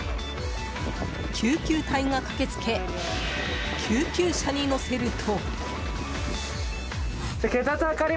救急隊が駆けつけ救急車に乗せると。